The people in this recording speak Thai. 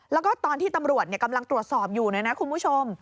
แล้วก็ตอนที่ตำรวจกำลังตรวจสอบอยู่เนี่ยนะคุณผู้ชม